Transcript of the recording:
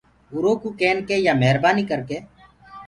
اورو ڪوُ ڪين ڪي يآ مهربآنيٚ ڪر ڪي۔